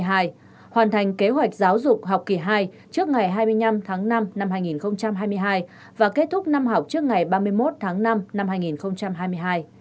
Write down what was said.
hoàn thành kế hoạch giáo dục học kỳ hai trước ngày hai mươi năm tháng năm năm hai nghìn hai mươi hai và kết thúc năm học trước ngày ba mươi một tháng năm năm hai nghìn hai mươi hai